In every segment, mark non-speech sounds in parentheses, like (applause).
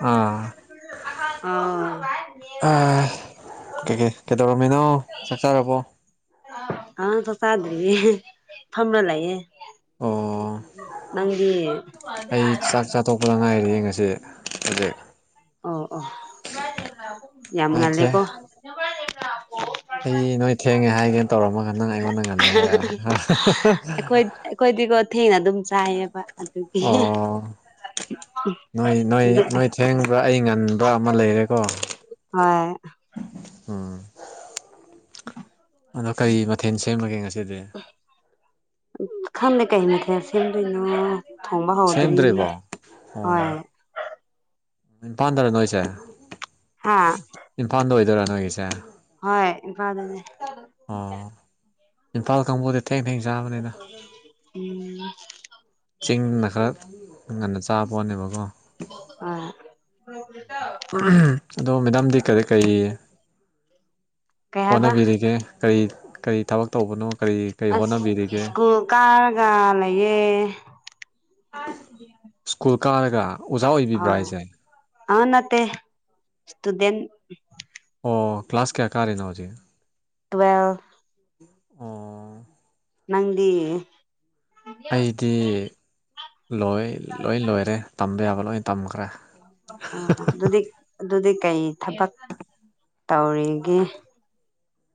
ꯑꯥ ꯑꯧ ꯀꯩꯀꯩ ꯀꯩꯗꯧꯔꯝꯃꯤꯅꯣ ꯆꯥꯛ ꯆꯔꯕꯣ ꯑꯥ ꯆꯥꯛ ꯆꯗꯔꯤꯌꯦ ꯐꯥꯃꯥ ꯂꯩ ꯑꯣ ꯑꯩ ꯆꯥꯛ ꯆ ꯑꯇꯣꯞꯄ ꯂꯉꯥꯏꯔꯤꯡ ꯑꯁꯤ ꯍꯧꯖꯤꯛ ꯑꯣ ꯑꯣ ꯌꯥꯝ ꯅꯣꯏꯁꯦ ꯉꯜꯂꯦꯀꯣ ꯑꯩ ꯅꯣꯏ ꯊꯦꯡꯉꯦ ꯍꯥꯏꯒꯦꯅ ꯇꯧꯔꯝꯃꯒ ꯅꯪ ꯑꯩꯉꯣꯟꯗ ꯉꯜꯂꯦ ꯍꯥꯏꯔꯛꯑꯦ ꯑꯩꯈꯣꯏ ꯑꯩꯈꯣꯏꯗꯤꯀꯣ ꯊꯦꯡꯅ ꯑꯗꯨꯝ ꯆꯥꯏꯌꯦꯕ ꯑꯗꯨꯒꯤ ꯑꯣ ꯅꯣꯏ ꯅꯣꯏ ꯅꯣꯏ ꯊꯦꯡꯕ꯭ꯔ ꯑꯩ ꯉꯟꯕ ꯑꯃ ꯂꯩꯔꯦꯀꯣ ꯍꯣꯏ ꯎꯝ (unintelligible) ꯑꯗꯣ ꯀꯔꯤ ꯃꯊꯦꯜ ꯁꯦꯝꯕꯒꯦ ꯉꯁꯤꯗꯤ ꯈꯪꯗꯦ ꯀꯩꯅꯤ ꯈꯦ ꯁꯦꯝꯗꯣꯏꯅꯣ ꯊꯣꯡꯕ ꯍꯧꯗ꯭ꯔꯤ ꯁꯦꯝꯗ꯭ꯔꯤꯕꯣ ꯍꯣꯏ ꯑꯣ ꯏꯝꯐꯥꯜꯗꯔ ꯅꯣꯏꯁꯦ ꯍꯥ ꯏꯝꯐꯥꯜꯗ ꯑꯣꯏꯗꯣꯏꯔꯥ ꯅꯣꯏꯒꯤꯁꯦ ꯍꯣꯏ ꯏꯀꯥ ꯑꯗꯨꯅꯦ ꯑꯣ ꯏꯝꯐꯥꯜ ꯀꯥꯡꯕꯨꯗꯤ ꯊꯦꯡ ꯊꯦꯡ ꯆꯥꯕꯅꯤꯅ ꯎꯝ ꯎ (inaudible) ꯆꯤꯡꯅ ꯈꯔ ꯉꯟꯅ ꯆꯥꯕ ꯄꯣꯠꯅꯦꯕꯀꯣ ꯑꯥ ꯑꯗꯣ ꯃꯦꯗꯥꯝꯗꯤ ꯀꯔꯤ ꯀꯔꯤ ꯀꯩ ꯍꯥꯏꯕ ꯍꯣꯠꯅꯕꯤꯔꯤꯒꯦ ꯀꯔꯤ ꯀꯔꯤ ꯊꯕꯛ ꯇꯧꯕꯅꯣ ꯀꯔꯤ ꯀꯔꯤ ꯑꯁ ꯍꯣꯠꯅꯕꯤꯔꯤꯒꯦ ꯁ꯭ꯀꯨꯜ ꯀꯥꯔꯒ ꯂꯩꯌꯦ ꯁ꯭ꯀꯨꯜ ꯀꯥꯔꯒ ꯑꯣꯖꯥ ꯑꯣꯏꯕꯤꯕ꯭ꯔꯥ ꯍꯥꯏꯁꯦ ꯑꯅꯠꯇꯦ ꯁꯨꯗꯦꯟ ꯑꯣ ꯀ꯭ꯂꯥꯁ ꯀꯌꯥ ꯀꯥꯔꯤꯅꯣ ꯍꯧꯖꯤꯛ (inaudible) ꯑꯣ ꯅꯪꯗꯤ ꯑꯩꯗꯤ ꯂꯣꯏ ꯂꯣꯏ ꯂꯣꯏꯔꯦ ꯇꯝꯕ ꯌꯥꯕ ꯂꯣꯏ ꯇꯝꯈ꯭ꯔꯦ ꯑꯗꯨꯗꯤ ꯑꯗꯨꯗꯤ ꯀꯔꯤ ꯊꯕꯛ ꯇꯧꯔꯤꯒꯦ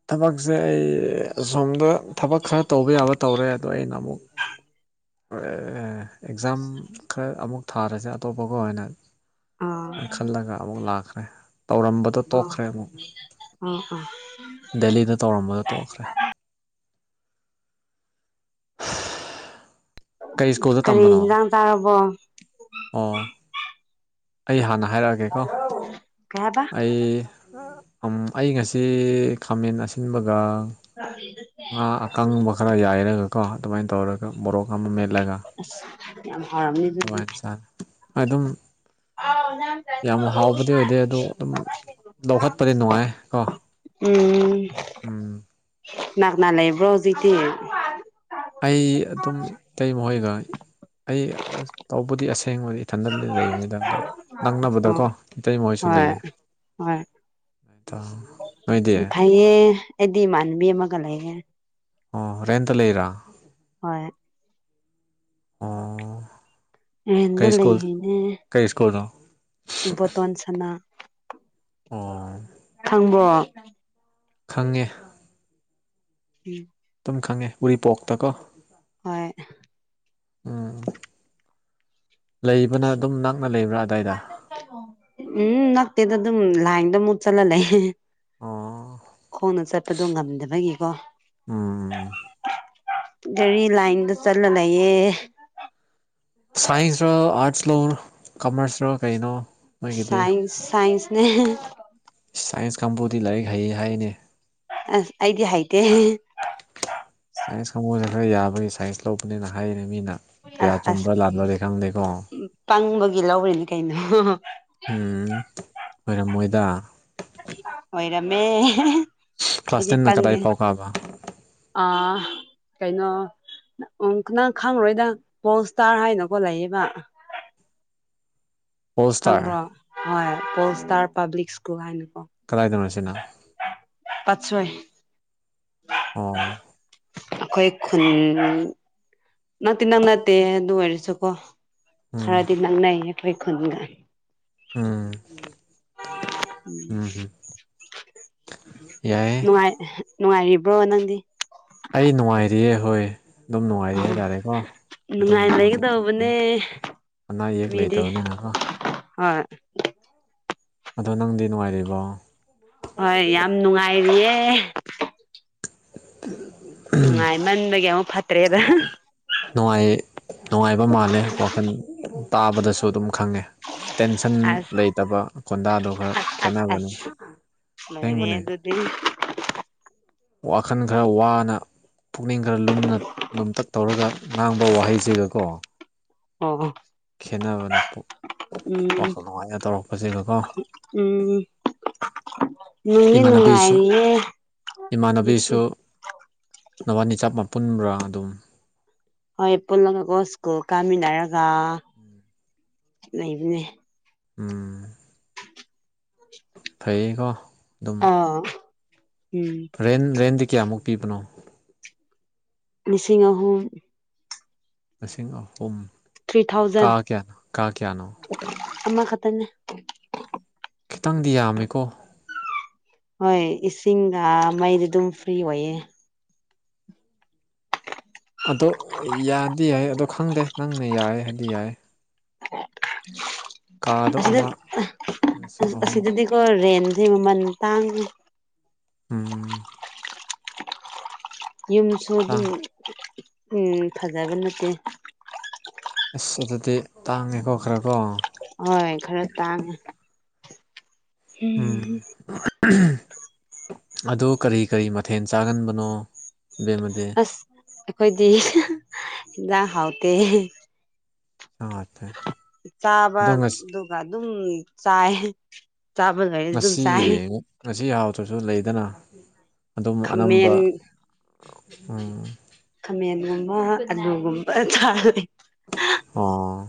ꯊꯕꯛꯁꯦ ꯑꯩ ꯑꯁꯣꯝꯗ ꯊꯕꯛ ꯈꯔ ꯇꯧꯕ ꯌꯥꯕ ꯇꯧꯔꯦ ꯑꯗꯣ ꯑꯩꯅ ꯑꯃꯨꯛ ꯑꯦꯛꯖꯥꯝ ꯈꯔ ꯑꯃꯨꯛ ꯊꯥꯔꯁꯦ ꯑꯇꯣꯞꯄꯒ ꯑꯣꯏꯅ ꯑꯣ ꯁꯥꯏꯅ ꯈꯜꯂꯒ ꯑꯃꯨꯛ ꯂꯥꯛꯈ꯭ꯔꯦ ꯇꯧꯔꯝꯕ ꯑꯣ ꯑꯣ ꯑꯥ ꯗꯦꯂꯤꯗ ꯇꯧꯔꯝꯕꯗꯣ ꯇꯣꯛꯈ꯭ꯔꯦ ꯀꯩ ꯁ꯭ꯀꯨꯜꯗ ꯀꯔꯤ ꯇꯝꯕꯅꯣ ꯍꯤꯟꯖꯥꯡ ꯆꯥꯔꯕꯣ ꯑꯣ ꯑꯩ ꯍꯥꯟꯅ ꯍꯥꯏꯔꯛꯑꯒꯦ ꯍꯥꯢꯔꯒꯦꯀꯣ ꯀꯩ ꯍꯥꯏꯕ ꯑꯩ ꯑꯩ ꯉꯁꯤ ꯈꯥꯃꯦꯟ ꯑꯁꯤꯟꯕꯒ ꯐꯦꯗꯁꯦ (inaudible) ꯉꯥ ꯑꯀꯪꯕ ꯈꯔ ꯌꯥꯏꯔꯒꯀꯣ ꯑꯗꯨꯃꯥꯏꯅ ꯇꯧꯔꯒ ꯃꯕꯣꯔꯣꯛ ꯑꯃ ꯃꯦꯠꯂꯒ ꯑꯁ ꯌꯥꯝ ꯍꯥꯎꯔꯝꯃꯦ ꯑꯗꯨꯗꯤ ꯑꯗꯨꯃꯥꯏꯅ ꯆꯥꯔꯦ ꯑꯗꯨꯝ ꯌꯥꯝ ꯍꯥꯎꯕꯗꯤ ꯑꯣꯏꯗꯦ ꯑꯗꯣ ꯑꯗꯨꯝ ꯂꯧꯈꯠꯄꯗꯤ ꯅꯨꯡꯉꯥꯏ ꯀꯣ ꯎꯝ ꯎꯝ ꯅꯅꯥꯥꯛꯅꯥ ꯂꯩꯕ꯭ꯔꯣꯖꯤꯗꯤ ꯑꯩ ꯑꯗꯨꯝ ꯏꯇꯩ ꯃꯈꯣꯏꯒ ꯑꯩ ꯑꯁ ꯇꯧꯕꯗꯤ ꯑꯁꯦꯡꯕꯗꯤ ꯏꯊꯟꯗ ꯂꯩꯕꯅꯤꯗ ꯑꯗꯣ ꯑꯣ ꯅꯛꯅꯕꯗꯀꯣ ꯏꯇꯩꯃ ꯈꯣꯏꯁꯨ ꯍꯣꯏ ꯂꯩꯌꯦ ꯍꯣꯏ ꯅꯣꯏꯗꯤ꯫ ꯎ ꯐꯩꯌꯦ ꯑꯩꯗꯤ ꯏꯃꯥꯟꯅꯕꯤ ꯑꯃꯒ ꯂꯩꯌꯦ꯫ ꯑꯣ ꯔꯦꯟꯇ ꯂꯩꯔꫭ꯫ ꯍꯣꯏ꯫ ꯑꫭ꯫ ꯔꯦꯟꯗ ꯂꯩꯔꯤꯅꯦ꯫ ꯀꯩ ꯁ꯭ꯀꯨꯜꯅꯣ꯫ ꯏꯕꯣꯇꫭꯟ ꯁꯅꯥ꯫ ꯑꯣ꯫ ꯈꯪꯕ꯭ꯔꯣ꯫ ꯈꯪꯉꯦ꯫ ꯎꯝ꯫ ꯑꯗꯨꯝ ꯈꯪꯉꯦ ꯎꯔꯤꯄꯣꯛꯇ ꯀꯣ꯫ ꯍꯣꯏ ꯎꯝ꯫ ꯂꯩꯕꯅ ꯑꯗꯨꯝ ꯅꯛꯅ ꯂꯩꯕ꯭ꯔꯥ ꯑ ꯎꯝ ꯅꯛꯇꯦꯗ ꯑꯗꯨꯝ ꯂꯥꯏꯡꯗ ꯃꯨꯠ ꯆꯜꯍꯜ ꯂꯩꯌꯦ꯫ ꯑꫭ꯫ ꯍꯣꯡꯅ ꯆꯠꯄꯗꯣ ꯉꯝꯗꯕꯒꯤꯀꯣ꯫ ꯎꯝ꯫ ꯒꯥꯔꯤ ꯂꯥꯏꯟꯗ ꯆꯠꯂ ꯂꯩꯌꯦ꯫ ꯁꯥꯏꯟꯁ ꯔꫭ ꯑꯥꯠꯁ ꯂꯧꯔꫭ ꯀꯃꯔꯁ ꯔꫭ ꯀꯩꯅꯣ꯫ ꯅꯣꯏꯒꯤꯗꯤ ꯁꯥꯏꯟꯁ ꯁꯥꯏꯟꯁꯅꯦ꯫ (unintelligible) ꯁꯥꯏꯟꯁ ꯀꯥꯡꯕꯨꯗꯤ ꯂꯥꯏꯔꯤꯛ ꯍꯩꯌꯦ ꯍꯥꯏꯅꯦ꯫ ꯑꯁ ꯑꯩꯗꯤ ꯍꯩꯇꯦ꯫ (unintelligible) ꯁꯥꯏꯟꯁ ꯈꯪꯕꯨꯣꯏꯗ ꯈꯔ ꯌꯥꯕꯒꯤ ꯁꯥꯏꯟꯁ ꯂꯧꯕꯅꯤꯅ ꯍꯥꯏꯔꯤꯔ ꯃꯤꯅ꯫ ꯀꯌꯥ ꯑꯁ ꯑꯁ ꯆꯨꯝꯕ꯭ꯔꯥ ꯂꯥꯟꯕ꯭ꯔꯗꯤ ꯈꯪꯗꯦꯀꯣ ꯄꯪꯕꯒꯤ ꯂꯧꯔꯤꯅꯤ ꯀꯩꯅꯣ꯫ ꯎꯝ ꯑꯣꯏꯔꯝꯃꯣꯏꯗꯥ꯫ ꯑꯣꯏꯔꯝꯃꯦ ꯀ꯭ꯂꯥꯁ ꯍꯩꯗꯤ ꯇꯦꯟꯅ ꯄꯪꯉꯦ꯫ ꯀꯗꯥꯏ ꯐꯥꯎ ꯀꯥꯕ ꯑ ꯀꯩꯅꫭ ꯎꯝ ꯅꯪ ꯈꯪꯪꯔꫭꯏꯗ ꯄꯣꯜ ꯏꯁꯇꯥꯔ ꯍꯥꯏꯅꯀꯣ ꯂꯩꯌꯦꯕ꯫ (inaudible) ꯁ꯭ꯇꯥꯔ ꯈꯪꯕ꯭ꯔꯣ ꯍꯣꯏ ꯄꯣꯜ ꯏꯁꯇꯥꯔ ꯄꯥꯕ꯭ꯂꯤꯛ ꯁ꯭ꯀꯨꯜ ꯍꯥꯏꯅꯀꯣ꯫ ꯀꯗꯥꯏꯗꯅꯣ ꯁꯤꯅ꯫ ꯄꯥꯠꯁꯣꯏ꯫ ꯑꯣ꯫ ꯑꯈꯣꯏ ꯈꯨꯟ ꯅꯛꯇꯤ ꯅꯛꯅꯠꯇꯦ ꯑꯗꯨ ꯑꯣꯏꯔꯁꯨꯀꯣ ꯎꯝ ꯈꯔꯗꯤ ꯅꯛꯅꯩ ꯑꯩꯈꯣꯏ ꯈꯨꯟꯒ꯫ ꯎꯝ꯫ ꯎꯝ ꯌꯥꯏꯌꯦ (unintelligible) ꯅꯨꯡꯉꯥꯏ꯫ ꯅꯨꯡꯉꯥꯏꯔꯤꯕ꯭ꯔꯣ ꯅꯪꯗꯤ꯫ ꯑꯩ ꯅꯨꯡꯉꯥꯏꯔꯤꯑꯦ ꯍꯣꯏ꯫ ꯑꯗꯨꯝ ꯅꯨꯡꯉꯥꯏꯔꯤ ꯑꯣ ꯍꯥꯏꯇꯥꯔꯦꯀꯣ ꯑꯗꯨꯝ ꯅꯨꯡꯉꯥꯏ ꯍꯧꯖꯤꯛꯇꯤ꯫ ꯂꯩꯒꯗꯧꯕꯅꯦ ꯑꯅꯥ ꯑꯌꯦꯛ ꯃꯤꯗꯤ ꯂꯩꯇꯕꯅꯤꯅꯀꯣ꯫ ꯍꯣꯏ ꯑꯗꯣ ꯅꯪꯗꯤ ꯅꯨꯡꯉꯥꯏꯔꯤꯕꯣ꯫ ꯍꯣꯏ ꯌꯥꯝ ꯅꯨꯡꯉꯥꯏꯔꯤꯌꯦ꯫ (unintelligible) ꯅꯨꯡꯉꯥꯏꯃꯟꯕꯒꯤ ꯑꯃꯨꯛ ꯐꯠꯇ꯭ꯔꯦꯗ꯫ ꯅꯨꯡꯉꯥꯏ ꯅꯨꯡꯉꯥꯏꯕ ꯃꯥꯜꯂꯦ ꯋꯥꯈꯜ ꯇꯥꯕꯗꯁꯨ ꯑꯗꯨꯝ ꯈꯪꯉꯦ꯫ ꯇꯦꯟꯁꯟ ꯑꯁ ꯂꯩꯇꯕ ꯈꯣꯟꯗꯥꯗꯣ ꯈꯔ ꯑꯁ ꯑꯁ ꯈꯦꯠꯅꯕꯅꯦ ꯑꯁꯦꯡꯕꯅꯦ꯫ ꯑꯗꯨ ꯋꯥꯈꯜ ꯈꯔ ꯋꯥꯅ ꯄꯨꯛꯅꯤꯡ ꯈꯔ ꯂꯨꯝꯅ ꯂꯨꯝꯇꯛ ꯇꯧꯔꯒ ꯉꯥꯡꯕ ꯋꯥꯍꯩꯁꯤꯒꯀꯣ ꯑꯣ ꯍꯣ ꯈꯦꯅꯕꯅꯦ ꯋꯥꯈꯜ ꯅꯨꯡꯉꯥꯏꯅ ꯇꯧꯔꯛꯄꯁꯤꯒꯀꯣ ꯎꯝ ꯅꯨꯡꯗꯤ ꯏꯃꯥꯟꯅꯕꯤꯁꯨ ꯅꯨꯡꯉꯥꯏꯔꯤꯌꯦ ꯍꯧꯖꯤꯛꯇꯤ ꯏꯃꯥꯟꯅꯕꯤꯁꯨ ꯅꯄꯥꯅꯤ ꯆꯥꯃꯄꯨꯟꯕꯥꯔ ꯑꯗꯨꯝ ꯍꯣꯏ ꯄꯨꯜꯂꯒꯀꯣ ꯁ꯭ꯀꯨꯜ ꯀꯥꯃꯤꯟꯅꯔꯒ ꯂꯩꯕꯅꯦ ꯎꯝ ꯐꯩꯀꯣ ꯑꯥ ꯎꯝ ꯔꯦꯟ ꯔꯦꯟꯗꯤ ꯀꯌꯥꯃꯨꯛ ꯄꯤꯕꯅꯣ ꯂꯤꯁꯤꯡ ꯑꯍꯨꯝ ꯂꯤꯁꯤꯡ ꯑꯍꯨꯝ ꯊ꯭ꯔꯤ ꯀꯥ ꯀꯌꯥꯅꯣ ꯀꯥ ꯀꯌꯥꯅꯣ ꯑꯃ ꯈꯠꯇꯅꯦ ꯈꯤꯇꯪꯗꯤ ꯌꯥꯝꯃꯦꯀꯣ ꯍꯣꯏ ꯏꯁꯤꯡꯒ ꯃꯩꯗꯤ ꯑꯗꯨꯝ ꯐ꯭ꯔꯤ ꯑꯣꯏꯌꯦ ꯑꯗꯣ ꯌꯥꯗꯤ ꯌꯥꯏ ꯑꯗꯣ ꯈꯪꯗꯦ ꯅꯪꯅ ꯌꯥꯏ ꯍꯥꯏꯗꯤ ꯌꯥꯏ ꯀꯥꯗꯣ ꯑꯁꯤꯗ ꯑꯃ ꯂꯤꯁꯤꯡ ꯑꯍꯨꯝ ꯑꯁꯤꯗꯗꯤꯀꯣ ꯔꯦꯟꯁꯦ ꯃꯃꯜ ꯇꯥꯡꯉ ꯎꯝ ꯌꯨꯝꯁꯨ ꯑꯥ ꯑꯗꯨꯝ ꯐꯖꯕ ꯅꯠꯇꯦ ꯑꯁ ꯑꯗꯨꯗꯤ ꯇꯥꯡꯉꯦꯀꯣꯈ꯭ꯔꯦꯀꯣ ꯍꯣꯏ ꯈꯔ ꯇꯥꯡꯉꯦ ꯎꯝ ꯑꯗꯨ ꯀꯔꯤ ꯀꯔꯤ ꯃꯊꯦꯜ ꯆꯥꯒꯟꯕꯅꯣ ꯕꯦꯝꯃꯗꯤ ꯑꯁ ꯑꯩꯈꯣꯏꯗꯤ ꯍꯤꯟꯖꯥꯡ ꯍꯥꯎꯇꯦ ꯁꯥꯇ ꯆꯥꯕꯗꯨꯒ ꯑꯗꯨꯝ ꯆꯥꯏ ꯆꯥꯕꯗꯨꯗꯤ ꯑꯗꯨꯝ ꯉꯁꯤ ꯆꯥꯏ ꯉꯁꯤ ꯍꯔꯥꯎꯗ꯭ꯔꯁꯨ ꯂꯩꯗꯅ ꯑꯗꯨꯝ ꯑꯅꯝꯕ ꯈꯥꯃꯦꯟ ꯈꯥꯃꯦꯟꯒꯨꯝꯕ ꯑꯥꯂꯨꯒꯨꯝꯕ ꯊꯥꯔꯗꯤ_ ꯑꯣ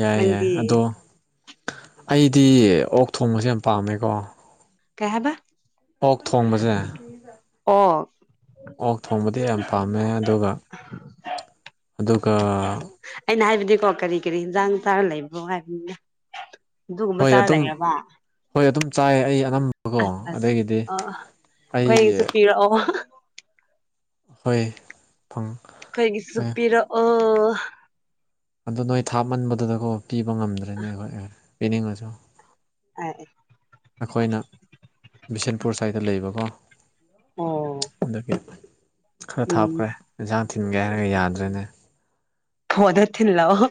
ꯌꯥꯏ ꯌꯥꯏ ꯅꯪꯗꯤ ꯑꯗꯣ ꯑꯩꯗꯤ ꯑꯣꯛ ꯊꯣꯡꯕꯁꯦ ꯌꯥꯝ ꯄꯥꯝꯃꯦꯀꯣ ꯀꯩꯍꯥꯏꯕ ꯑꯣꯛ ꯊꯣꯡꯕꯁꯦ ꯑꯣ ꯑꯣꯛ ꯊꯣꯡꯕꯗꯤ ꯌꯥꯝ ꯄꯥꯝꯃꯦ ꯑꯗꯨꯒ ꯑꯗꯨꯒ ꯑꯩꯅ ꯍꯥꯏꯕꯗꯤꯀꯣ ꯀꯔꯤ ꯀꯔꯤ ꯌꯦꯟꯖꯥꯡ ꯆꯥꯔ ꯂꯩꯕꯣ ꯍꯥꯏꯕꯅꯤꯅ ꯑꯗꯨꯒꯨꯝꯕ ꯍꯣꯏ ꯆꯥꯔ ꯑꯗꯨꯝ ꯂꯩꯔꯕ ꯍꯣꯏ ꯑꯗꯨꯝ ꯆꯥꯏ ꯑꯩ ꯑꯅꯝꯕꯀꯣ ꯑꯁ ꯑꯁ ꯑꯗꯒꯤꯗꯤ ꯑꯩ ꯑꯣ ꯍꯣꯏ ꯐꯪꯈ꯭ꯔꯦ ꯀꯩꯒꯤꯁꯨ ꯄꯤꯔꯛꯑꯣ ꯑꯗꯨꯗ ꯅꯣꯏ ꯊꯥꯃꯟꯕꯗꯨꯗꯀꯣ ꯄꯤꯕ ꯉꯝꯗ꯭ꯔꯦꯅꯦ ꯑꯩꯈꯣꯏ ꯄꯤꯅꯤꯡꯉꯁꯨ ꯎ ꯑꯩꯈꯣꯏꯅ ꯕꯤꯁꯦꯟꯄꯨꯔ ꯁꯥꯏꯇ ꯂꯩꯕꯀꯣ ꯑꯣ ꯑꯗꯨꯗꯒꯤ ꯈꯔ ꯎꯝ ꯊꯥꯞꯈ꯭ꯔꯦ ꯏꯟꯁꯥꯡ ꯊꯤꯟꯒꯦ ꯍꯥꯏꯔꯒ ꯌꯥꯗ꯭ꯔꯦꯅꯦ ꯐꯣꯟꯇ ꯊꯤꯜꯂꯛꯑꯣ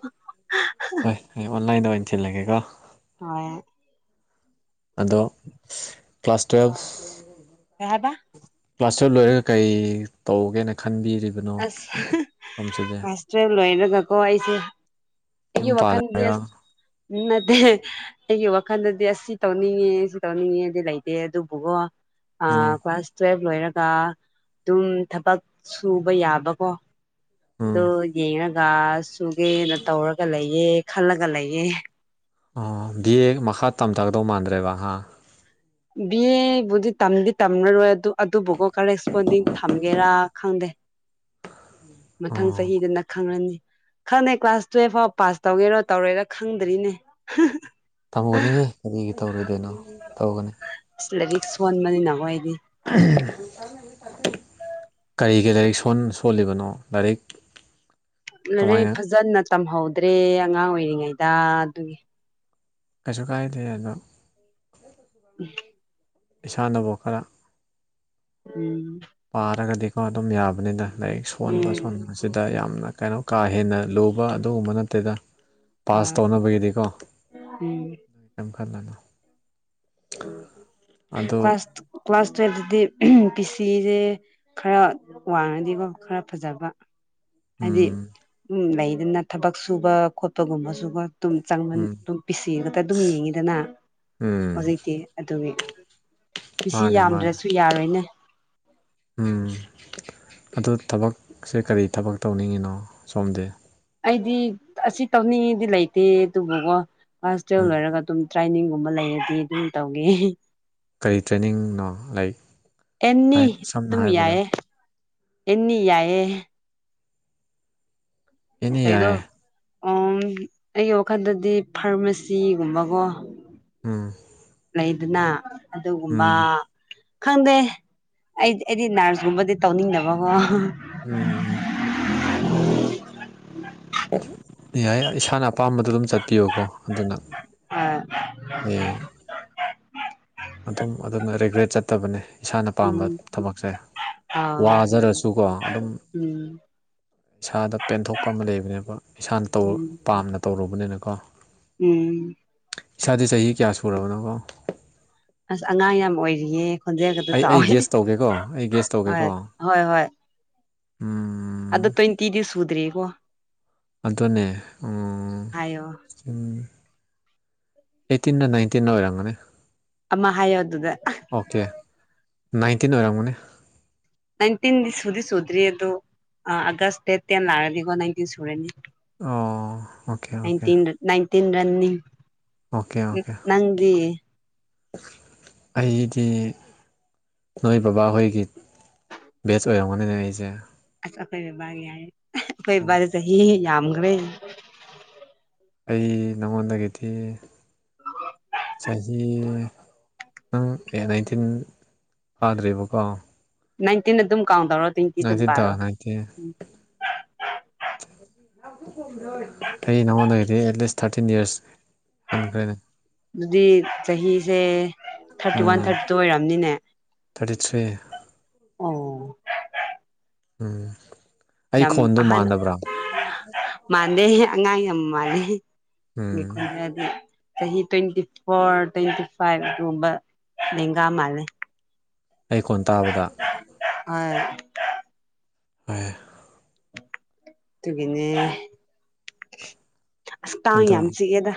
ꯍꯣꯏ ꯑꯩ ꯑꯣꯟꯂꯥꯏꯟꯗ ꯑꯣꯏꯅ ꯊꯤꯜꯂꯒꯦꯀꯣ ꯍꯣꯏ ꯑꯗꯣ ꯀ꯭ꯂꯥꯁ ꯇꯨꯌꯦꯜꯐ ꯀꯩꯍꯥꯢꯕ ꯀ꯭ꯂꯥꯁ ꯇꯨꯌꯦꯜꯕ ꯂꯣꯏꯔꯒ ꯀꯔꯤ ꯇꯧꯒꯦꯅ ꯈꯟꯕꯤꯔꯤꯕ ꯑꯁ ꯀ꯭ꯂꯥꯁ ꯇꯨꯌꯦꯦꯜꯕ ꯂꯣꯏꯔꯒꯀꯣ ꯑꯩꯁꯦ ꯌꯨꯝ ꯑꯩ ꯋꯥꯈꯟꯗꯤ ꯄꯥꯜꯂꯒꯦꯔꯣ ꯅꯠꯇ ꯑꯩꯒꯤ ꯋꯥꯈꯜꯗꯗꯤ ꯑꯁ ꯁꯤ ꯇꯧꯅꯤꯡꯉꯦ ꯁꯤ ꯇꯧꯅꯤꯡꯉꯦꯗꯤ ꯂꯩꯇꯦ ꯑꯗꯨꯕꯨꯒꯣ ꯎꯝ ꯀ꯭ꯂꯥꯁ ꯇꯨꯋꯦꯜꯕ ꯂꯣꯏꯔꯒ ꯑꯗꯨꯝ ꯊꯕꯛ ꯁꯨꯕ ꯌꯥꯕꯀꯣ ꯎꯝ ꯑꯗꯨ ꯌꯦꯡꯉꯒ ꯁꯨꯒꯦꯅ ꯇꯧꯔꯒ ꯂꯩꯌꯦꯦ ꯈꯜꯂꯒ ꯂꯩꯌꯦ ꯑꯣ ꯕꯤ ꯑꯦ ꯃꯈꯥ ꯇꯝꯊꯒꯗꯧ ꯃꯥꯟꯗ꯭ꯔꯦꯕ ꯑ ꯕꯤ ꯑꯦꯕꯨꯗꯤ ꯇꯝꯗꯤ ꯇꯝꯔꯔꯣꯏ ꯑꯗꯨ ꯑꯗꯨꯕꯨꯒꯣ ꯀꯔꯦꯁꯄꯣꯟꯗꯤꯡ ꯊꯝꯒꯦꯔꯥ ꯈꯪꯗꯦ ꯃꯊꯪ ꯑꯣ ꯆꯍꯤꯗꯅ ꯈꯪꯉꯅꯤ ꯈꯪꯉꯦ ꯀ꯭ꯂꯥꯁ ꯇꯨꯌꯦꯦꯜꯐ ꯐꯥꯎ ꯄꯥꯁ ꯇꯧꯒꯦꯔꯣ ꯇꯧꯔꯦꯔꯥ ꯈꯪꯗ꯭ꯔꯤꯅꯦ ꯇꯝꯒꯅꯤꯍꯦ ꯀꯔꯤꯒꯤ ꯇꯧꯔꯣꯏꯗꯣꯏꯅꯣ ꯇꯧꯒꯅꯤ ꯎ (inaudible) ꯑꯁ ꯂꯥꯏꯔꯤꯛ ꯁꯣꯟꯕꯅꯤꯅꯀꯣ ꯑꯩꯗꯤ ꯀꯩ ꯀꯩ ꯂꯥꯏꯔꯤꯛ ꯁꯣꯜꯂꯤꯕꯅꯣ ꯂꯥꯏꯔꯤꯛ ꯂꯔ ꯀꯃꯥꯏꯅ ꯐꯖꯅ ꯇꯝꯍꯧꯗ꯭ꯔꯦ ꯑꯉꯥꯡ ꯑꯣꯏꯔꯤꯉꯩꯗ ꯑꯗꯨꯒꯤ ꯀꯩꯁꯨ ꯀꯥꯏꯗꯦ ꯑꯗꯣ ꯎꯝ (inaudible) ꯏꯁꯥꯅꯕꯨ ꯈꯔ ꯎꯝ ꯄꯥꯔꯒꯗꯤꯀꯣ ꯑꯗꯨꯝ ꯌꯥꯕꯅꯤꯅ ꯂꯥꯏꯔꯤꯛ ꯁꯣꯟꯕ ꯎꯝ ꯁꯣꯟꯕ ꯃꯁꯤꯗ ꯌꯥꯝꯅ ꯀꯩꯅꯣ ꯀꯥ ꯍꯦꯟꯅ ꯂꯨꯕ ꯑꯗꯨꯒꯨꯝꯕ ꯅꯠꯇꯦꯗ ꯄꯥꯁ ꯍꯣꯏ ꯇꯧꯅꯕꯒꯤꯗꯤꯀꯣ ꯎꯝ ꯀ ꯈꯜꯅꯨ ꯎ ꯀꯋꯥꯁ (inaudible) ꯀ꯭ꯂꯥꯁ ꯇꯨꯌꯦꯜꯞꯇꯗꯤ ꯄꯤ ꯁꯤꯁꯦ ꯈꯔ ꯋꯥꯡꯉꯗꯤꯀꯣ ꯈꯔ ꯐꯖꯕ ꯍꯥꯏꯗꯤ ꯎꯝ ꯎ ꯂꯩꯗꯅ ꯊꯕꯛ ꯁꯨꯕ ꯈꯣꯠꯄꯒꯨꯝꯕꯁꯨ ꯑꯗꯨꯝ ꯆꯪꯃꯟ ꯎꯝ ꯑꯗꯨꯝ ꯄꯤꯁꯤꯒꯛꯇ ꯑꯗꯨꯝ ꯌꯦꯡꯉꯤꯗꯅ ꯎꯝ ꯍꯧꯖꯤꯛꯇꯤ ꯑꯗꯨꯒꯤ ꯄꯤꯁꯤ ꯃꯥꯅꯦ ꯃꯥꯅꯦ ꯌꯥꯝꯗ꯭ꯔꯁꯨ ꯌꯥꯔꯣꯏꯅꯦ ꯎꯝ ꯑꯗꯨ ꯊꯕꯛꯁꯦ ꯀꯔꯤ ꯊꯕꯛ ꯇꯧꯅꯤꯡꯉꯤꯅꯣ ꯁꯣꯝꯗꯤ ꯑꯩꯗꯤ ꯑꯁꯤ ꯇꯧꯅꯤꯡꯉꯤꯗꯤ ꯂꯩꯇꯦ ꯑꯗꯨꯕꯨꯀꯣ ꯍꯁꯇꯦꯜ ꯎꯝ ꯂꯣꯏꯔꯒ ꯑꯗꯨꯝ ꯇ꯭ꯔꯦꯅꯤꯡꯒꯨꯝꯕ ꯂꯩꯔꯗꯤ ꯑꯗꯨꯝ ꯇꯧꯒꯦ ꯀꯔꯤ ꯇ꯭ꯔꯦꯅꯤꯡꯅꯣ ꯂꯥꯏꯛ ꯑꯦꯅꯤ ꯍꯥꯏ ꯁꯝꯅ ꯑꯗꯨꯝ ꯍꯥꯏꯔꯕꯗ ꯌꯥꯏꯌꯦ ꯑꯦꯅꯤ ꯌꯥꯏꯌꯦ ꯑꯦꯅꯤ ꯀꯩꯗꯣ ꯌꯥꯏꯌꯦ ꯎꯝ ꯑꯩꯒꯤ ꯋꯥꯈꯟꯗꯗꯤ ꯐꯥꯔꯃꯥꯁꯤꯒꯨꯝꯕꯀꯣ ꯎꯝ ꯂꯩꯗꯅ ꯑꯗꯨꯒꯨꯝꯕ ꯎꯝ ꯈꯪꯗꯦ ꯑꯩ ꯑꯩꯗꯤ ꯅꯔꯁꯀꯨꯝꯕꯗꯤ ꯇꯧꯅꯤꯡꯗꯕꯀꯣ ꯎꯝ ꯎꯝꯝ ꯌꯥꯏꯌꯦ ꯏꯁꯥꯅ ꯑꯄꯥꯝꯕꯗ ꯑꯗꯨꯝ ꯆꯠꯄꯤꯌꯨꯀꯣ ꯑꯗꯨꯅ ꯎꯝ ꯍꯌꯦꯡ ꯑꯗꯨꯝ ꯑꯗꯨꯅ ꯔꯤꯒ꯭ꯔꯦꯠ ꯆꯠꯇꯕꯅꯦ ꯏꯁꯥꯅ ꯄꯥꯝꯕ ꯎꯝ ꯊꯕꯛꯁꯦ ꯑꯥ ꯋꯥꯖꯔꯁꯨꯀꯣ ꯑꯗꯨꯝ ꯎꯝ ꯏꯁꯥꯗ ꯄꯦꯟꯊꯣꯛꯄ ꯑꯃ ꯂꯩꯕꯅꯦꯕ ꯏꯁꯥꯅ ꯇꯧ ꯎꯝ ꯄꯥꯝꯅ ꯇꯧꯔꯨꯕꯅꯤꯅꯀꯣ ꯎꯝ ꯏꯁꯥꯖꯦ ꯆꯥꯍꯤ ꯀꯌꯥ ꯁꯨꯔꯥꯕꯅꯣꯀꯣ ꯑꯁ ꯑꯉꯥꯡ ꯌꯥꯝ ꯑꯣꯏꯔꯤꯌꯦ ꯈꯣꯟꯖꯦꯜꯒꯗꯣ ꯑꯩ ꯑꯩ ꯆꯥꯎꯋꯦ ꯒ꯭ꯌꯦꯁ ꯇꯧꯒꯦꯀꯣ ꯑꯩ ꯒ꯭ꯌꯦꯁ ꯇꯧꯒꯦꯀꯣ꯫ ꯍꯣꯏ-ꯍꯣꯏ꯫ ꯎꯝ ꯑꯗꯣ ꯇ꯭ꯋꯦꯟꯇꯤꯗꯤ ꯁꯨꯗ꯭ꯔꯤꯌꯦꯀꯣ꯫ ꯑꯗꯨꯅꯦ ꯎꯝ ꯍꯥꯏꯌꯣ ꯎꯝ ꯑꯩꯇꯤꯟꯂꯥ ꯅꯥꯏꯟꯇꯤꯟꯂꯥ ꯑꯣꯏꯔꯝꯒꯅꯤ꯫ ꯑꯃ ꯍꯥꯏꯌꫭ ꯑꯗꯨꯗ ꯑ꯫ ꯑꯣꯀꯦ ꯅꯥꯏꯟꯇꯤꯟ ꯑꯣꯏꯔꯝꯒꯅꯤ꯫ ꯅꯥꯏꯟꯇꯤꯟꯗꯤ ꯁꯨꯗꯤ ꯁꯨꯗ꯭ꯔꯤ ꯑꯗꯣ ꯑ ꯑꯥꯒꯁ ꯗꯦꯠ ꯇꯦꯟ ꯂꯥꯛꯔꯗꯤꯀꯣ ꯅꯥꯏꯟꯇꯤꯟ ꯁꯨꯔꯅꯤ꯫ ꯑꯣ ꯑꯣꯀꯦ-ꯑꯣꯀꯦ꯫ ꯅꯥꯏꯟꯇꯤꯟ ꯅꯥꯏꯟꯇꯤꯟ ꯔꯟꯅꯤ꯫ ꯑꯣꯀꯦ-ꯑꯣꯀꯦ ꯑꯩꯗꯤ ꯅꯣꯏ ꯕꯕꯥꯍꯣꯏꯒꯤ ꯕꯦꯁ ꯑꯣꯏꯔꯝꯒꯅꯤꯅꯦ ꯑꯩꯁꯦ꯫ ꯑꯁ ꯑꯩꯈꯣꯏ ꯕꯕꯥꯒꯤ ꯍꯥꯏ ꯑꯈꯣꯏ ꯎꯝ ꯕꯕꯥꯗꯤ ꯆꯥꯍꯤ ꯌꯥꯝꯈ꯭ꯔꯦ꯫ ꯑꯩ ꯅꯉꯣꯟꯗꯒꯤ ꯊꯤ ꯆꯍꯤ ꯅꯪ ꯑꯦ ꯅꯥꯏꯟꯇꯤꯟ ꯐꯥꯗ꯭ꯔꯤꯕꯀꯣ꯫ ꯅꯥꯏꯟꯇꯤꯟ ꯑꯗꯨꯝ ꯀꯥꯎꯟꯗꯧꯔꯣ ꯇ꯭ꯋꯦꯟꯇꯤ ꯑꯗꯨꯝ ꯅꯥꯏꯟꯇꯤꯟ ꯇꯥ ꯄꯥꯔꯣ꯫ ꯅꯥꯏꯟꯇꯤꯟ (inaudible) ꯑꯩ ꯅꯉꯣꯟꯗꯩꯗꯤ ꯑꯦꯠ ꯂꯤꯁ ꯊꯥꯔꯇꯤꯟ ꯏꯌꯥꯔꯁ ꯍꯟꯈ꯭ꯔꯦꯅꯦ꯫ ꯑꯗꯨꯗꯤ ꯆꯍꯤꯁꯦ ꯊꯥꯔꯇꯤ ꯋꯥꯟ ꯎꯝ ꯊꯥꯔꯇꯤꯗ ꯑꯣꯏꯔꯝꯅꯤꯅꯦ꯫ Thirty three. ꯑꯣ꯫ ꯎꯝ꯫ ꯑꯩ ꯌꯥꯝ ꯈꯣꯟꯗꯣ ꯑꯍꯟ ꯃꯥꯟꯗꯕ꯭ꯔꯥ ꯃꯥꯟꯗꯦꯍꯦ ꯑꯉꯥꯡ ꯌꯥꯝ ꯃꯥꯥꯟꯂꯦꯍꯦ꯫ ꯎꯝ ꯅꯤꯀꯨꯟ ꯍꯥꯏꯔꯗꯤ ꯆꯍꯤ ꯇ꯭ꯋꯦꯟꯇꯤ ꯐꯣꯔ ꯇ꯭ꯋꯦꯟꯇꯤ ꯐꯥꯏꯚ ꯑꯗꯨꯝꯕ ꯂꯦꯡꯒꯥ ꯃꯥꯜꯂꯦ꯫ ꯑꯩ ꯈꯣꯟ ꯇꯥꯕꯗ꯫ ꯑꫭꯏ꯫ ꯍꯣꯏ꯫ ꯑꯗꯨꯒꯤꯅꯦ ꯑꯁ ꯀꯥꯡ ꯑꯗꯣ ꯌꯥꯝ ꯆꯤꯛꯑꯦꯗ꯫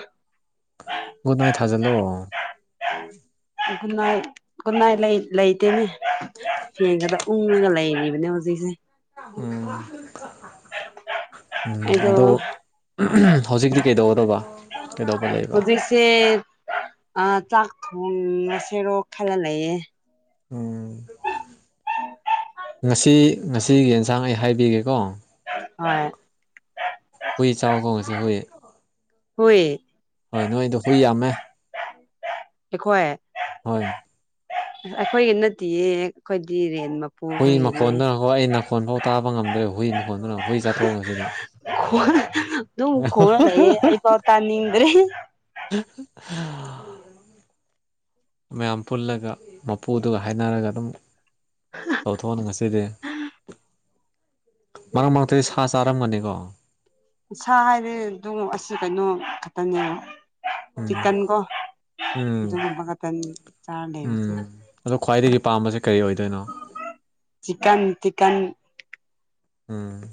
ꯒꯨꯗ ꯅꯥꯠ ꯊꯖꯂꯣ꯫ (unintelligible) ꯀꯨꯟꯅꯥꯏ ꯀꯨꯟꯅꯥꯏ ꯂꯩ ꯂꯩꯇꯦꯅꯦ꯫ (unintelligible) ꯐꯦꯟꯒꯗ ꯎꯪꯉꯥꯒ ꯂꯩꯔꯤꯕꯅꯦ ꯍꯧꯖꯤꯛꯁꯦ꯫ ꯎꯝ ꯎꯝ ꯑꯩꯗꯣ ꯑꯗꯣ (unintelligible) ꯍꯧꯖꯤꯛꯇꯤ ꯀꯩꯗꯧꯒꯗꯕ ꯀꯩꯗꯧꯕ ꯂꯩꯕ꯫ ꯇꯦꯠ ꯑ ꯆꯥꯛ ꯊꯣꯡꯉꯥꯁꯦꯔꯣ ꯈꯜꯂ ꯂꯩꯌꯦ꯫ ꯎꯝ ꯉꯁꯤ ꯉꯁꯤꯒꯤ ꯌꯦꯟꯁꯥꯡ ꯑꯩ ꯍꯥꯏꯕꯤꯒꯦꯀꯣ꯫ (unintelligible) ꯍꯣꯏ꯫ ꯍꯨꯏ ꯆꯥꯎꯀꯣ ꯉꯥꯁꯤ ꯍꯨꯏ꯫ ꯍꯨꯏ꯫ ꯍꯣꯏ ꯅꯣꯏꯗꯣ ꯍꯨꯏ ꯌꯥꯝꯃꯦ꯫ ꯑꯩꯈꯣꯏ꯫ ꯍꯣꯏ꯫ ꯑꯩꯈꯣꯏꯒꯤ ꯅꯠꯇꯤꯌꯦ ꯑꯩꯈꯣꯏꯗꯤ ꯔꯦꯟ ꯃꯥ ꯍꯨꯏ ꯃꯈꯣꯟꯗꯨꯅꯀꯣ ꯑꯩ ꯅꯈꯣꯟꯐꯥꯎ ꯇꯥꯕ ꯉꯝꯗ꯭ꯔꯦꯕ ꯍꯨꯏ ꯃꯈꯣꯟꯗꯨꯅ ꯍꯨꯏ ꯆꯥꯊꯣꯛꯑ ꯉꯁꯤꯗꯤ꯫ (unintelligible) ꯑꯗꯨꯝ ꯈꯣꯡꯔ ꯂꯩꯌꯦ ꯑꯩ ꯐꯥꯎ ꯇꯥꯅꯤꯡꯗ꯭ꯔꯦ꯫ ꯃꯌꯥꯝ ꯄꯨꯜꯂꯒ ꯃꯥꯄꯨꯗꯨꯒ ꯍꯥꯏꯅꯔꯒ ꯑꯗꯨꯝ ꯇꯧꯊꫭꯛꯑꫭꯅ ꯉꯁꯤꯗꯤ꯫ ꯃꯔꯛ ꯃꯔꯛꯇꯗꯤ ꯁꯥ ꯆꯥꯔꯝꯒꯅꯤꯀꯣ꯫ ꯁꯥ ꯍꯥꯏꯗꯤ ꯑꯗꯨꯝ ꯑꯁꯤ ꯀꯩꯅꯣ ꯈꯛꯇꯅꯦꯑꫭ ꯎꯝ ꯆꯤꯀꯟ ꯀꯣ꯫ ꯎꯝ ꯑꯗꯨꯒꯨꯝꯕ ꯈꯛꯇꯅꯤ ꯆꯥꯔ ꯂꯩꯕꯁꯦ ꯎꯝ ꯑꯗꯣ ꯈ꯭ꯋꯥꯏꯗꯒꯤ ꯄꯥꯝꯕꯁꯦ ꯀꯔꯤ ꯑꯣꯏꯗꯣꯏꯅꯣ __ (unintelligible) ꯆꯤꯒꯥꯜ ꯆꯤꯒꯥꯜ ꯎꯝ